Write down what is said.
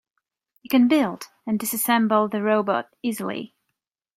You can build and disassemble the robot easily.